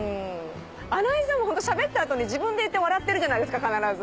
穴井さんもしゃべった後に自分で言って笑ってるじゃないですか必ず。